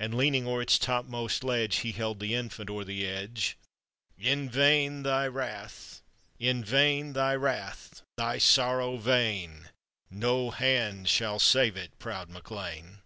And,< leaning o'er its topmost ledge, He held the infant o'er the edge. "In vain thy wrath, thy sorrow vain, No hand shall save it, proud MacLean !"